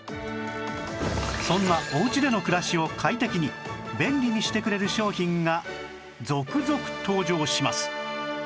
そんなおうちでの暮らしを快適に便利にしてくれる商品が続々登場します